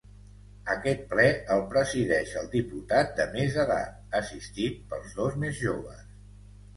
Aquest ple el presideix el diputat de més edat, assistit pels dos més joves.